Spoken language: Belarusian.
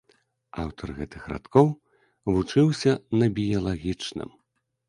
Аўтар гэтых радкоў вучыўся на біялагічным.